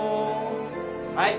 はい。